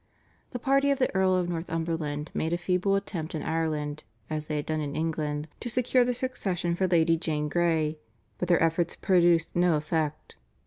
The party of the Earl of Northumberland made a feeble attempt in Ireland, as they had done in England, to secure the succession for Lady Jane Grey, but their efforts produced no effect.